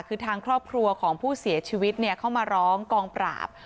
คือทางครอบครัวของผู้เสียชีวิตเข้ามาร้องกองปราบ